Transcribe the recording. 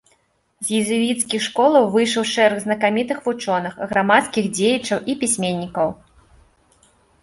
З езуіцкіх школаў выйшаў шэраг знакамітых вучоных, грамадскіх дзеячаў і пісьменнікаў.